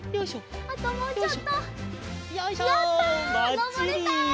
のぼれた！